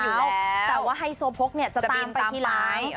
จริงแต่ไฮโซโพกจะตามไปทีละ